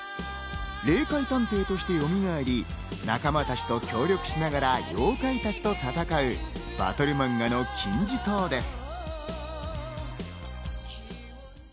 霊界探偵してよみがえり、仲間たちと協力しながら、妖怪たちと戦うバトルマンガの金字塔です。